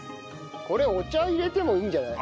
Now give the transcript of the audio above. これお茶入れてもいいんじゃない？